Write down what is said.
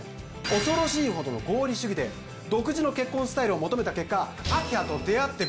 恐ろしいほどの合理主義で独自の結婚スタイルを求めた結果でございますええ